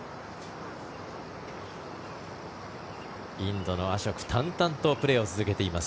インドのアショク淡々とプレーを続けています。